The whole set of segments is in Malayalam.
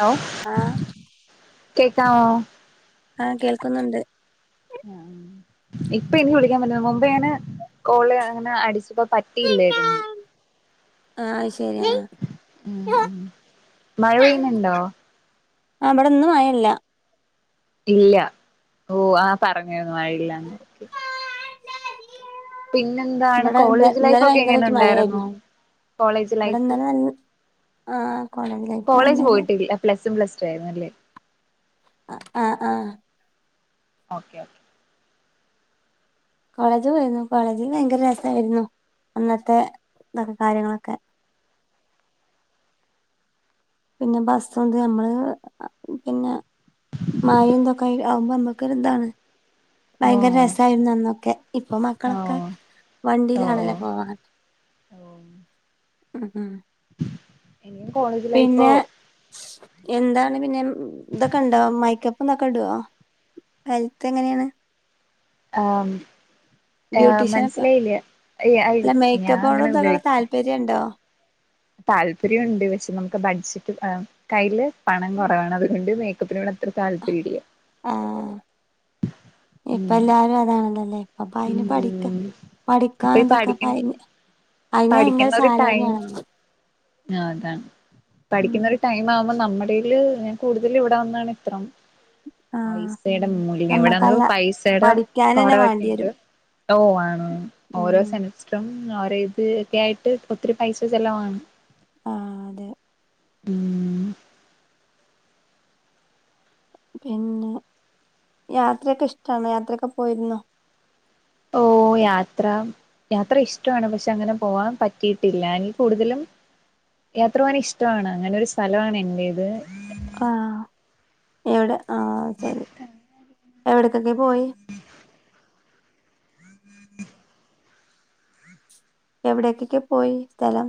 ഹലോ ആഹ കേക്കാമോ ആഹ കേൾക്കുന്നുണ്ട് ആഹ് ഇപ്പൊ എനിക്ക് വിളിക്കാൻ പറ്റ മുമ്പേ ങ്ങനെ കോള് അങ്ങനെ അടിച്ചപ്പോ പറ്റിയില്ലായിരുന്നു ആഹ് ശരി എന്നാ മഴ പെയ്യുന്നുണ്ടോ ആഹ് ഇവടെന്നു മഴയില്ല ഇല്ല ഓ ആഹ് പറഞ്ഞിരുന്നു മഴയില്ലാന്ന് പിന്നെന്താണ് ഇവിടെ ഇന്ന കോളേജ് ലൈഫ് ഇന്നലെ ഒക്കെ എങ്ങനെ ഭയങ്കരമായിട്ട് ഉണ്ടായിരുന്നു മഴയായിരുന്നു കോളേജ് ലൈഫ് ആ കോളേജ് ലൈഫ് നല്ലൊരു പ്ലസും പ്ലസ്റ്റു ആയിരുന്നുല്ലേ ആഹ് ആഹ് ആഹ് ഓക്കെ ഓക്കെ കോളേജ് പോയിരുന്നു കോളേജിൽ ഭയങ്കര രസമായിരുന്നു അന്നത്തെ ഇതൊക്കെ കാര്യങ്ങളൊക്കെ പിന്നെ ബസ്ങ്ക് നമ്മള് പിന്നെ മായിന്തൊക്കെ ആവുമ്പോ നമ്മുക്ക് താണ് ഓ ഭയങ്കര ശരി രസമായിരുന്നു അന്നൊക്കെ ഇപ്പൊ ഓ മക്കളൊക്കെ ഓ ഓ വണ്ടിയിലാണല്ലേ പോകുന്നത് ഓ ഉം ഉം ഇനിയും കോളേജ് ലൈഫോ പിന്നെ എന്താണ് പിന്നെ ഇതൊക്കെ ഇണ്ടോ മൈക്കപ്പന്തൊക്കെ ഇടുവോ? ഹെൽത്ത് എങ്ങനെയാണ്? ബ്യൂട്ടീഷ്യൻ ഒക്കെ മനസ്സിലായില്ല അല്ല ഞാൻ അങ്ങനെ മൈക്കപ്പിനോടൊക്കെ താൽപ പര്യംഉണ്ടോ താല്പര്യംമുണ്ട് പക്ഷെ നമുക്ക് ബഡ്ജറ്റ് കയ്യിൽ പണം കുറവാണ് അതുകൊണ്ട് മേക്കപ്പിനോട് അത്ര താല്പര്യം ഇല്യാ ആ ഉം ഇപ്പെല്ലാരും അതാണല്ലോലെ അപ്പ അയ്ന് പഠിക്കാം. പഠിക്കാനെന്തൊക്കെ പ്പയ്ന്- പഠിക്കുന്നൊരു ടൈം, ആ അതാണ് ഉം പഠിക്കുന്നൊരു ടൈം ടൈമാവുമ്പം ന്നമ്മടെല് ഞാൻ കൂട്തല് ഇവടെ വന്നാണ് ഇത്രം ആ പൈസേടെ മൂല്യം ഇവടെഅന്ന് പൈസേടെ പഠിക്കാനന്നെ വേണ്ടി കൊറവൊക്കെയ്ണ്ട്. വരും ഓ ആണോ ഓരോ ഉം സെന്റെൻ ട്ടും ഓരെ ഇത് ഒക്കെ ആയിട്ട് ഇപ്പൊത്തിരി പൈസ ചെലവാണ്. ആ അതെ ഉം. ഉം പിന്നെ യാത്രയൊക്കെ ഇഷ്ട്ടാണോ? യാത്രയൊക്കെ പോയിരുന്നോ? ഓ യാത്ര യാത്ര ഇഷ്ട്ടവാണ് പക്ഷെ അങ്ങനെ പോവാൻ പറ്റിയിട്ടില്ല എനിക്ക് കൂടുതലും യാത്ര പോകാൻ ഇഷ്ട്ടവാണ് അങ്ങനൊരു സ്ഥലവാണെന്റേത്. ആ ഹ് എവെടെ ആ ശരി എവിടെക്കെക്കെ പോയി? എവിടേകെക്കേ പോയി സ്ഥലം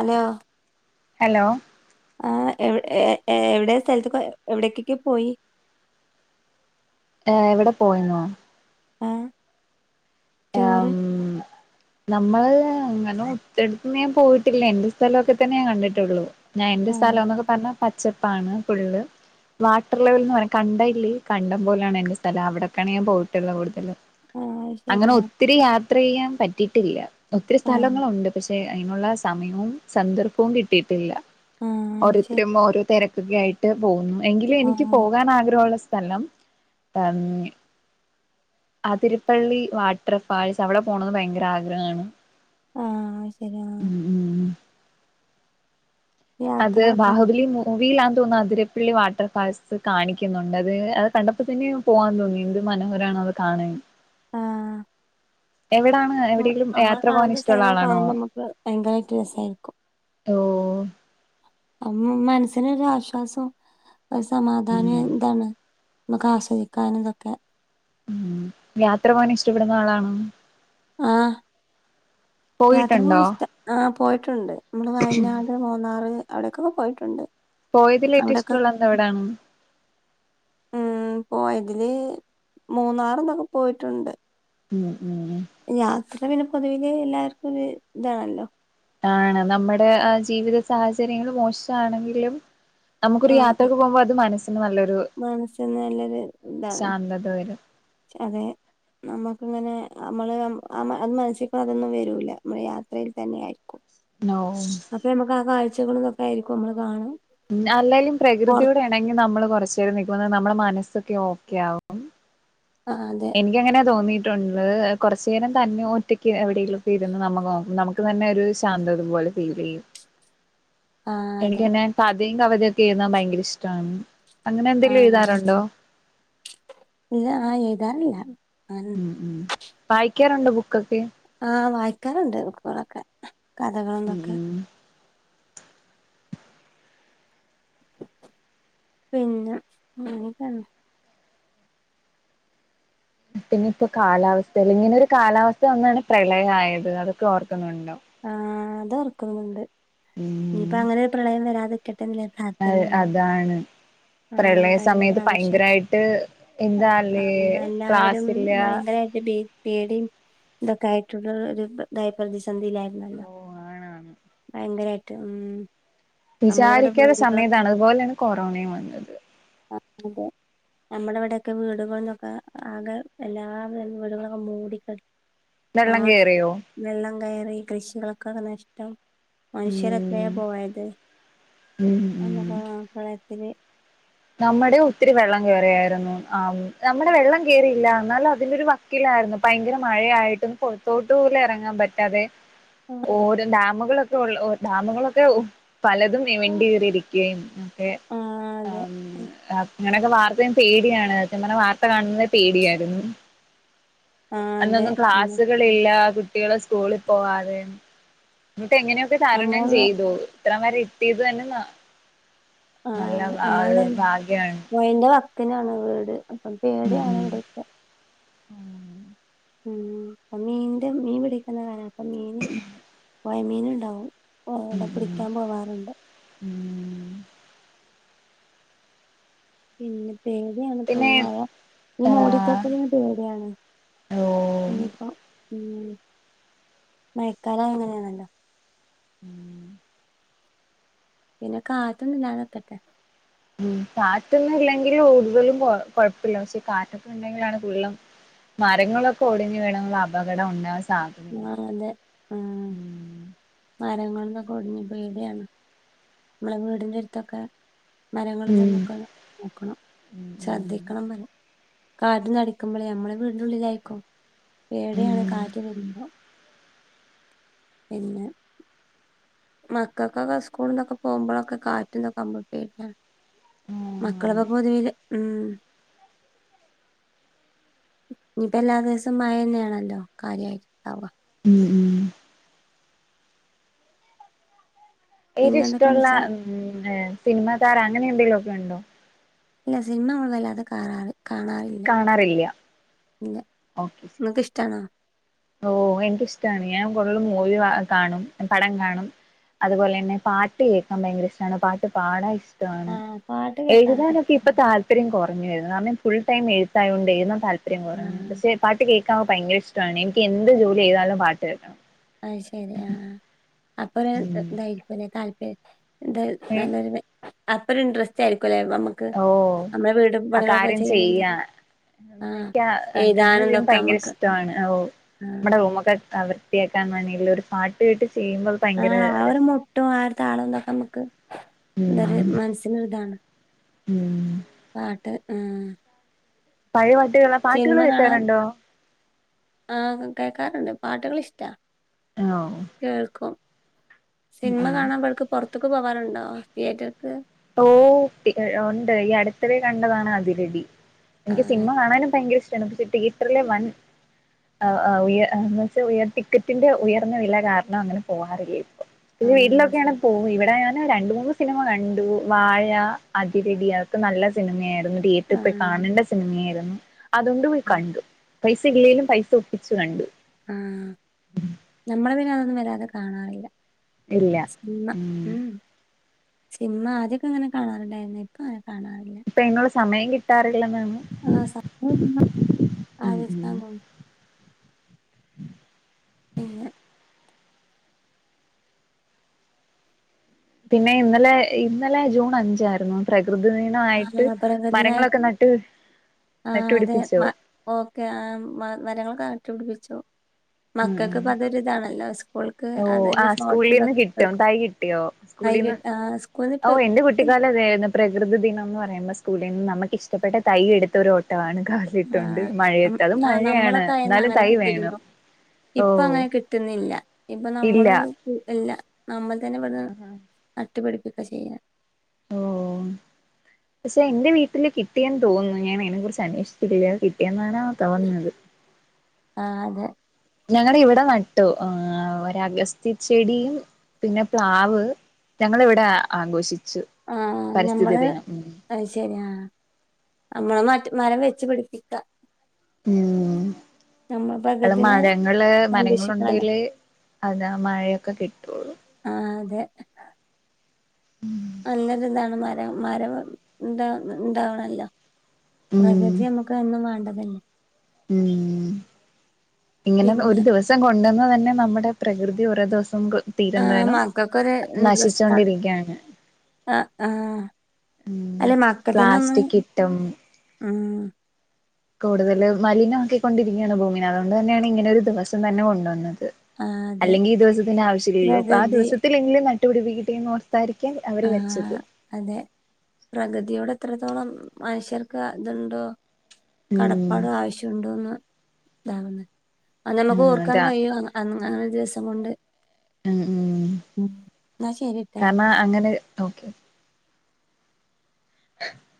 അലോ ഹലോ ആ എവ് ഏ ഏ എവിടേ സ്ഥലത്ത്ക്കോ എവിടേകെക്കെ പോയി? ഏ എവിടെ പോയെന്നോ? ആ ആം ടൂറ് നമ്മള് അങ്ങനെ ഒത്തിരി എടുത്തന്ന് ഞാൻ പോയിട്ടില്ല എന്റെ സ്ഥലൊക്കെ തനെ ഞാൻ കണ്ടിട്ടൊള്ളു. ഞാൻ എന്റെ ആ സ്ഥലോന്നൊക്കെ പറഞ്ഞ പച്ചപ്പാണ് ഫുള്ള്. വാട്ടർ ലെവൽന്ന് പറയും കണ്ടം ഇല്ലേ കണ്ടം പോലാണ് എന്റെ സ്ഥലം അവിടൊക്കെയാണ് ഞാൻ പോയിട്ട്ള്ള കൂടുതലും. ആ ഐ- അങ്ങനെ ഒത്തിരി യാത്രെയ്യാൻ പറ്റിയിട്ടില്ല ഒത്തിരി ആ സ്ഥലങ്ങളുണ്ട് അ- പക്ഷെ അയ്നുള്ള സമയവും സന്ദർഭവും കിട്ടിയിട്ടില്ല. ആ ശരി ഓരോരുത്തരും ഓരോ തെര ക്കെ ആയിട്ട് പോവുന്നു എങ്കിലും ആ എനിക്ക് പോകാനാഗ്രഹുള്ള സ്ഥലം പർഞ് അതിരപ്പള്ളി വാട്ടർ ഫാൾസ് അവടെ പോണന്ന് ഭയങ്കര ആഗ്രഹാണ്. ആ അയ്ശെരി ആ ഉം ഉം അത് യാത്ര അതന്നെ ബാഹുബലി മു മൂവിലാന്ന്തോന്നു അതിരപ്പിള്ളി വാട്ടർഫാൾസ് സ് കാണിക്കുന്നുണ്ട് അത് ത് കണ്ടപ്പൊ തനെയോ- പോവാൻ തോന്നി എന്ത് മനോഹരാണ് അത് കാണാൻ. ആ ഹ് എവിടാണ്. എവിടെയെങ്കിലും നമ്മൾ യാത്ര പോകാൻ കാണാത്ത ഇഷ്ടമുള്ള സ്ഥലങ്ങള് ആളാണോ കാണുമ്പമ്മക്ക് ഭയങ്കരായിട്ട് രസായിരിക്കും. ഓ. ഉം മ് മനസ്സിനൊരു ആശ്വാസോം ഒരു സമാധാനോം ഉം എന്താണ്. നമ്മക്ക് ആസ്വദിക്കാനും ഇതൊക്കെ. ഉ യാത്ര പോവാൻ ഇഷ്ട്ടപ്പെടുന്ന ആളാണോ? ആഹാ യാത്ര പോണ പോയിട്ടുണ്ടോ ഇഷ്ട ആഹ് ആഹ് പോയിട്ടുണ്ട് നമ്മള് വയനാട് മൂന്നാറ് വരുന്നു അവിടെക്കൊക്കെ പോയിട്ടുണ്ട് പോയതിലേറ്റം അവിടൊക്കെ ഇഷ്ടള്ള എന്ത് എവിടാണ് ഉം പോയതില് മൂന്നാറും തൊക്കെ പോയിട്ടൊണ്ട് ഉം ഉം ഉം യാത്ര പിന്നെ പൊതുവിലെ എല്ലാര്ക്കും ഒരു ഇതാണല്ലോ ആണ് നമ്മുടെ ആഹ് ജീവിത സാഹചര്യങ്ങള് മോശാണെങ്കിലും നമുക്കൊരു ആഹ് യാത്രൊക്കെ പോകുമ്പോ അത് മനസ്സിന് നല്ലൊരു മനസ്സിന് നല്ലൊരു ഇതാണ് ശാന്തത വരും അതെ നമ്മുക്കിങ്ങനെ നമ്മള് അത് നമ്മള് അത് മനസ്സിക്കതൊന്നും വരൂല്ല നമ്മള് യാത്രയിൽ തന്നെ ആയിരിക്കും നോ അപ്പൊ നമ്മക്ക് ആ കാഴ്ചകളുതൊക്കെ ആയിരിക്കും നമ്മള് കാണ ഉം അല്ലേലും പ്രകൃതിയോടെണങ്ങി നമ്മള് കുറച്ചേരം നിക്കുമ്പോതന്നെ നമ്മുടെ മനസ്സൊക്കെ ഓക്കെആവും ആഹ് അതെ എനിക്കങ്ങനെ തോന്നിയിട്ടൊണ്ട് കൊറച്ചേരം തന്നെ ഒറ്റയ്ക്ക് എവിടേലും ഇരുന്ന് നമ്മ നമ്മക്ക് തന്നെ ഒരു ശാന്തത പോലെ ഫീലെയ്യും ആഹ് അതെ എനിക്ക് പിന്നെ കഥയും കവിതയും ഒക്കെ എഴുതാൻ ഭയങ്കര ഇഷ്ട്ടാണ് ആഹ് ഇല്ല ആഹ് എഴുതാറില്ല ആഹ് ഉം ഉം വായിക്കാറുണ്ടോ ബുക്കൊക്കെ ആഹ് വായിക്കാറുണ്ട് ബുക്കൊളൊക്കെ കഥകളും ഉം ദൊക്കെ ഉം പിന്ന അങ്ങനക്കേണ് പിന്നെ ഇപ്പൊ കാലാവസ്ഥേല് ഇങ്ങനൊരു കാലാവസ്ഥ വന്നാണ് പ്രളയായത് അതൊക്കെ ഓർക്കുന്നൊണ്ടോ ആഹ് അതോർക്കുന്നുണ്ട് ഉം ഇനിയിപ്പ അങ്ങനൊരു പ്രളയം വരാതിക്കട്ട ല്ലേ ആഹ് അതാണ് ആഹ് പ്രളയ കഴിഞ്ഞ സമയത്ത് പ്രാവശ്യം ഭയങ്കരവായിട്ട് എന്താല്ലേ ക്ലാസ്സില്ല [unintelligible] പേടിം ഇതൊക്കെ ആയിട്ടുള്ള ഒരു ഇതായ് പ്രതിസന്ധിയിലായി ഇല്ല ഇല്ല ഓ ആണാണ് ഭയങ്കരായിട്ട് ഉം നമ്മളിവിടെ വിചാരിക്കാത്ത വീടുകളൊക്കെ സമയത്താണ് അതുപോലെയാണ് കൊറോണയും വന്നത് ആഹ് അതെ നമ്മടെ ഇവിടൊക്കെ വീടുകള്ന്നൊക്കെ ആകെ എല്ലാവി വീടുകളൊക്കെ മൂടിക്കെടക്കെ വെള്ളം ആഹ് കേറിയോ വെള്ളം കയറി കൃഷികളൊക്കെ ങ്ങട് നഷിച്ചു [unintelligible] മനുഷ്യരെത്രയാ പോയത് ഉം ഉം ഉം നമ്മക്ക ആ പ്രളയത്തില് ആഹ് നമ്മടെ ഒത്തിരി വെള്ളം കേറിയാരുന്നു ആം നമ്മടെ വെള്ളം കേറിയില്ല എന്നാലതിന്റെ ഒരു വക് ക്കിലാരുന്നു ഭയങ്കര മഴയായിട്ടൊന്നും പുറത്തോട്ട് പോലും എറങ്ങാൻ പറ്റാതെ ആഹ് ഓരോ ഡാമുകളൊക്കെ കൊള്ളൊ ഡാമുകളൊക്കെ ഓഹ് പലതും വി വിണ്ടു കീറിയിരിക്കാരുന്നു ആഹ് ആഹ് ഉം അങ്ങനെയൊക്കെ വാർത്തയും പേടിയാണ് സത്യം പറഞ്ഞാ വാർത്ത കാണുന്നതെ പേടിയാരുന്ന് അതെ അന്നൊന്നും ക്ലാസ്സുകളില്ല കുട്ടികള് സ്കൂളി പോവാതെ എന്നിട്ട് എങ്ങനെ അതു തരണം നമ്മള് ചെയ്തു ഇത്രം വരെ എത്തിയത് തന്നെ ന നല്ല അതൊരു ഭാഗ്യാണ് പുഴന്റെ വക്കിനാണ് വീട് അപ്പം ഉം പേടിയാകുന്നുണ്ടേയ് ഉം ഉം അപ്പ മീന്റെ മീൻ പിടിക്ണകാല അപ്പ മീൻ പൊയ മീനുണ്ടാവും കൊറെ ഉം അവിടെ ഉം പിടിക്കാൻ പോവാറുണ്ട് [inaudible] പിന്നെ പേടിയാണ് ഇപ്പൊ പിന്നെ മയ ഈ ഏഹ് മൂടിക്കെട്ടലനെ പേടയാണ് ഓഹ് ഇനിയിപ്പോ ഉം മയക്കാലയാ അങ്ങനെണല്ലോ ഉം പിന്നെ കാറ്റൊന്നുല്ലാതെ നിക്കട്ടെ ഉം കാറ്റൊന്നും ഇല്ലെങ്കിലും കൂടുതലും കൊ കൊഴപ്പല്ല പക്ഷെ കാറ്റൊക്കെ ഉണ്ടെങ്കിലാണ് വെള്ളം മരങ്ങളൊക്കെ ഒടിഞ്ഞു വീണുള്ള അപകടം ഉണ്ടാവാൻ സാധ്യത ആഹ് അതെ ആഹ് മരങ്ങളൊക്കെ ഒടിഞ് പേടിയാണ് നമ്മളെ വീടിന്റെ എരുത്തൊക്കെ മരങ്ങളും ഉം തേങ്ങക്കെ നോക്കണം ഉം ശ്രദ്ധിക്കണം പറ കാറ്റൊന്നടിക്കുമ്പോളേ നമ്മളെ വീട്ന്റെ ഉള്ളിലായിരിക്കും ഉം പേടിയാണ് ഉം കാറ്റ് വെരുമ്പോ പിന്നെ മക്കൾക്കൊക്കെ സ്കൂളിലൊക്കെ പോകുമ്പോളൊക്കെ കാറ്റും ഇതൊക്കെ ആകുമ്പോപേടിയാണ് ഉം ആണ് മക്കളൊക്കെ പൊതുവിൽ ഉം ഇഞ്ഞിപ്പൊ എല്ലാ ദിവസോം മയന്നെണല്ലോ കാര്യയിട്ട്ണ്ടാവ ഉം ഉം [unintelligible] പിന്നെ എന്തൊക്കെയാന്ന് ഇഷ്ടള്ള വെച്ചാ സിനിമാ താരം അങ്ങനെ എന്തെിലൊക്കെണ്ടോ ഇല്ല സിനിമ നമ്മൾ വല്ലാതെ കാണാറ് കാണാറില്ല കാണാറില്ല ഓക്കെ ഇങ്ങക്ക്‌ ഷ്ടാണോ? ഓഹ് എനിക്കിഷ്ടാണ് ഞാൻ കൂടുതലും മൂവി കാണും പടം കാണും അതുപോലെന്നെ പാട്ട് കേക്കാൻ ഭയങ്കര ഇഷ്ടാണ് പാട്ട് പാടാൻ ഇഷ്ടാണ് ആഹ് പാട്ട് കേൾക്കാനൊക്കെ എഴുതാനൊക്കെ ഇപ്പം താല്പര്യം കുറഞ്ഞുവരുന്നു കാരണം ഫുൾ ടൈം എഴുത്തായോണ്ടേ എഴ്താൻ താല്പര്യം കൊറഞ്ഞു ആഹ് പക്ഷേ പാട്ട് കേക്കാൻ ഭയങ്കര ഇഷ്ട്ടാണ് എനിക്ക് എന്ത് ജോലി ചെയ്താലും പാട്ട് കേക്കണം ആഹ് ശെരി ആഹ് ആഹ് അപ്പരു ഉം [unintelligible] താല്പര്യ എന്തായ ഏ നല്ലൊരു അപ്പരു ഇൻട്രസ്റ്റ് ആയിരിക്കുംല്ലേ നമ്മ ക്ക് ഓ നമ്മളെ വീടുപണികളൊക്കെ ചെയ്യ്ണ് ണ്ടൊ എനിക്കങ്ങനെ ചെയ്യുമ്പോ ഭയങ്കര നമുക്ക് ഇഷ്ടമാണ് ഓഹ് ആഹ് നമ്മടെ റൂമൊക്കെ അവർ വൃത്തിയാക്കാൻ ആണേലും ഒരു പാട്ട് കേട്ട് ചെയ്യുമ്പോ ഭയങ്കര ര [unintelligible] ആര്ത ആളല്ലെ നമ്മക്ക് ഉം അത് മനസ്സിനൊരു ഇതാണ് ഉം പാട്ട് ഉം പഴേ പാട് സിൻമ കാണാൻ ആഹ് കേക്കാറുണ്ട് പാട്ടുകൾ ഇഷ്ടാ ഓഹ് കേൾക്കും സിൻമ കാണാൻ ഇബട്ക്ക് പൊറത്ക്ക് പോവാറുണ്ടോ തിയേറ്റർക്ക് ഓഹ് ഉണ്ട് ഈ അടുത്തവേ കണ്ടതാണ് അതിരടി എനിക്ക് ആഹ് സിനിമ കാണാനും ഭയങ്കര ഇഷ്ടാണ് പക്ഷെ തിയേറ്ററിലെ വൻ [unintelligible] ഉയർ ടിക്കറ്റിന്റെ ഉയർന്ന വില കാരണം അങ്ങനെ പോവാാറില്ല ഇപ്പൊ പിന്നെ ആഹ് വീട്ടിലൊക്കെയാണെ ശരി പോകും ഇവടെ ഞാൻ രണ്ട് മൂന്ന് സിനിമ കണ്ടു വാഴ, അതിരടി അതൊക്കെ നല്ല സിനിമയായിരുന്നു തിയേറ്റർ പ്പോയി ആഹ് കാണെണ്ട സിനിമയായിരുന്നു. അതോണ്ട് പോയി ആഹ് കണ്ടു പൈസ ഇല്ലേലും പൈസ ഒപ്പിച്ചു കണ്ടു. ആഹ് ഞമ്മള് പിന്നെ അതൊന്നും വല്ലാതെ കാണാറില്ല ഇല്ല സിൻമ്മ ഉ ഉം സിൻമ ആദ്യൊക്കെങ്ങനെ കാണാറുണ്ടായിരുന്നു ഇപ്പൊ അങ്ങനെ കാണാറില്ല. ഇപ്പ അയ്നുള്ള സമയം കിട്ടാറില്ലെന്നാണോ ആഹ് സമയം [unintelligible] ഉം ആലോയ്ച്ച് ഉം കാണ്ടാവും ഇല്ല്യ പിന്നെ ഇന്നലെ ഇന്നലെ ജൂൺ അഞ്ചായിരുന്നു പ്രകൃതി ആ ദിനമായിട്ട് മരങ്ങളൊക്കെ പ്രകൃതിദായിട്ട് നട്ട് ആഹ് അതെ നട്ട്പിടിപ്പിച്ചോ മ ഓക്കെ ആഹ് മരങ്ങളൊക്കെ നാട്ട് പിടിപ്പിച്ചു ഉം മക്കക്ക് ഉം ഇപ്പൊ അതൊരു ഇതാണല്ലോ ഓൽക്ക് ഓ ആ അതിന്റെ [unintelligible] സ്കൂളീന്ന് കിട്ടും ഇട്ക്കും തൈ വൈകീ ആഹ് സ് ഔ എന്റെ കു കുട്ടികാലം അതായിരുന്നു പ്രകൃതി ദിനം എന്ന് പറയുമ്പോ സ്‌കൂളിന്ന് നമക്ക് ഇഷ്ടപ്പെട്ട തയ്യ് എട്ത്തൊരോട്ടമാണ് ക്ലാ വിട്ടുണ്ട് ആഹ് മഴയത്ത് അതും ആഹ് മഴയാണ് നമ്മളൊക്കെ ആയന്ന് ന്നാലും അങ്ങനെ തൈ വേണം കിട്ടിയിരുന്നു. ഓ ഇപ്പ അങ്ങനെ കിട്ട്ന്നില്ല ഇപ്പൊ ഇല്ല നമ്മള് സ്‌കൂള് ഇല്ല നമ്മൾ തന്നെ ഇവട്ന്ന് നട്ട്പിടിപ്പിക്കാ ചെയ്യ്ണെ ഓം പക്ഷേ എന്റെ വീട്ട്ല് കിട്ടിയെന്ന് തോന്നുന്നു ഞാൻ അയ്നെ കുറിച്ച് അന്വേഷിച്ചിട്ടില്ല കിട്ടിയെന്നാണാ തോന്ന്ന്നത് ആഹ് അതെ ഞങ്ങടെ ഇവിടെ നട്ടു എഹ് ഒര് അഗസ്ത്തി ചെടിയും പിന്നെ പ്ലാവ് ഞങ്ങള് ഇവിടെ ആഘോഷിച്ചു ആഹ് ഞമ്മള് പരിസ്ഥിതിദിനം ഉം ഉം അത് ശരി ആഹ് ആഹ് നമ്മള് മറ്റ് മരം വെച്ച് പിടിപ്പിക്ക ഉം നമ്മളെട്ത് ത്തെല്ലം മഴങ്ങള് മരങ്ങളുണ്ടേലേ അഹ് എന്താ മഴയൊക്കെ കിട്ടൂ ആഹ് അതെ ഉം ഹും നല്ലൊര് ഇതാണ് മര മരം ഇണ്ടാവ് ഇണ്ടാവണല്ലോ ഉം പ്രകൃതി അത് ഞമ്മക്ക് എന്നും വേണ്ടതല്ലെ ഉം ഇങ്ങനെ ഒന്ന് ഒരു പിന്നെ ദിവസ് ദിവസം കൊണ്ടുവന്നത് തന്നെ നമ്മടെ പ്രകൃതി ഒരേ ദിവസം [unintelligible] ആ തീര്ന്തേനും മക്കൾക്കൊരു ഇൻട്രസ്റ്റാണ് നശിച്ചോണ്ടിരിക്ക്യാണ് ആ ആ ഉം അല്ലെ പ്ലാസ്റ്റിക് ഇട്ടും ആഹ് കൂടുതല് മലിന ആക്കി കൊണ്ടിരിക്കാണ് ഭൂമിനെ അതുകൊണ്ട് തന്നെയാണ് ഇങ്ങനെ ഒരു ദിവസം തന്നെ കൊണ്ടുവന്നത് ആ അതെ അല്ലെങ്കി ഈ ദിവസത്തിന് ആവശ്യമല്ലോ അപ്പ ആ പ്രകൃതി ദിവസ ത്തിലെങ്കിലും നാട്ട്പിടിപ്പിക്കട്ടെ എന്നോർത്തായിരിക്കും ആ അവര് വെച്ചത് അതെ പ്രകൃതിയോട് എത്രത്തോളം മനുഷ്യർക്ക് ഇത് ണ്ടോ ഉം കടപ്പാടും ആവശ്യം ഉണ്ടോന്ന് ഇതാവ്ന്ന് അത് നമ്മുക്ക് ആ ഓർക്കാൻ അതാ കഴിയുവാന്ന് അങ്ങനെ ഒരു ദിവസം കൊണ്ട് ഉം ഉം എന്നാ ശരിട്ടാ കാരണം അങ്ങനെ ഒക്കെ ആ